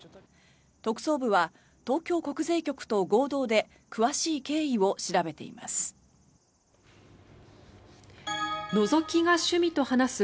特捜部は東京国税局と合同で詳しい経緯を調べています。